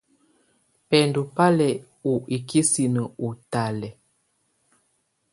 Bɛndɔ́ bá lɛ ɔ ikisinǝ́ ɔ ɔtalɛ̀á.